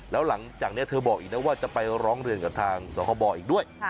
แล้วหลังจากนี้เธอบอกอีกนะว่าจะไปร้องเรียนกับทางสคบอีกด้วย